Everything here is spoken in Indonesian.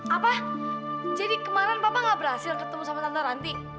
apa jadi kemarin bapak nggak berhasil ketemu sama tante ranti